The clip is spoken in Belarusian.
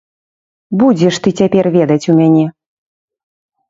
Будзеш ты цяпер ведаць у мяне.